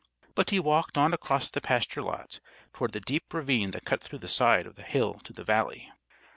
But he walked on across the pasture lot, toward the deep ravine that cut through the side of the hill to the valley.